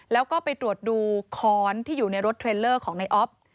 แล้วก็ไปตรวจดูค้อนที่อยู่ในรถเทรลเลอร์ของในออฟ